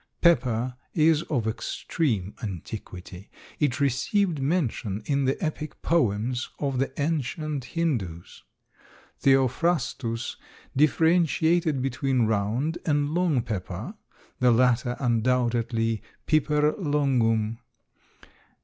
Pepper is of extreme antiquity. It received mention in the epic poems of the ancient Hindoos. Theophrastus differentiated between round and long pepper, the latter undoubtedly P. longum.